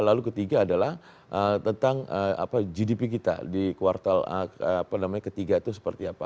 lalu ketiga adalah tentang gdp kita di kuartal ketiga itu seperti apa